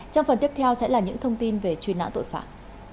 trong phần tiếp theo sẽ là những thông tin về truy nã tội phạm